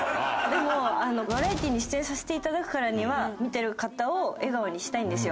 でもバラエティに出演させていただくからには見てる方を笑顔にしたいんですよ。